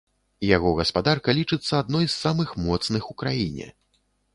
Яго гаспадарка лічыцца адной з самых моцных у краіне.